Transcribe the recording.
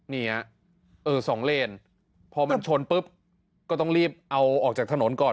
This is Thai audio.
เนี่ยเออสองเลนพอมันชนปุ๊บก็ต้องรีบเอาออกจากถนนก่อน